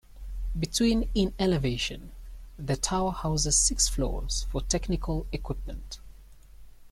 Between in elevation, the tower houses six floors for technical equipment.